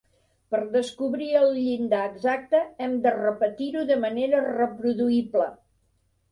Per descobrir el llindar exacte, hem de repetir-ho de manera reproduïble.